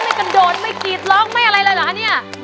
ไม่กระโดนไม่กีดร้องไม่อะไรเลยหรอ